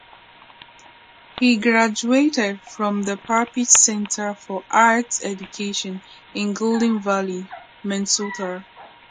He graduated from the Perpich Center for Arts Education in Golden Valley, Minnesota.